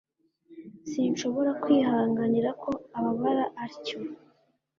Sinshobora kwihanganira ko ababara atyo